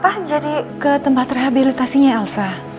apa jadi ke tempat rehabilitasinya elsa